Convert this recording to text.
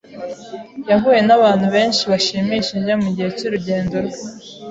Yahuye nabantu benshi bashimishije mugihe cyurugendo rwe.